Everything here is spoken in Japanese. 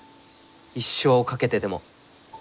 一生を懸けてでも。